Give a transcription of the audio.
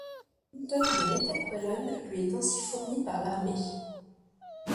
Plus d'une tonne de méthaqualone lui est ainsi fournie par l'armée.